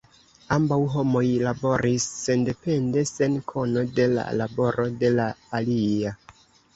Ambaŭ homoj laboris sendepende sen kono de la laboro de la alia.